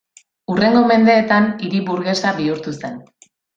Hurrengo mendeetan hiri burgesa bihurtu zen.